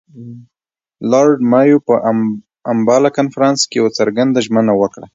لارډ مایو په امباله کنفرانس کې یوه څرګنده ژمنه وکړه.